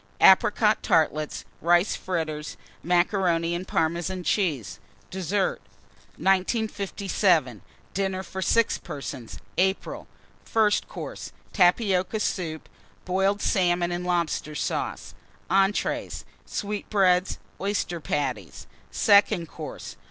Apricot Tartlets. Rice Fritters. Macaroni and Parmesan Cheese. DESSERT. 1957. DINNER FOR 6 PERSONS (April). FIRST COURSE. Tapioca Soup. Boiled Salmon and Lobster Sauce. ENTREES. Sweetbreads. Oyster Patties. SECOND COURSE.